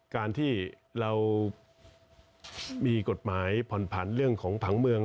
การที่เรามีกฎหมายผ่อนผันเรื่องของผังเมือง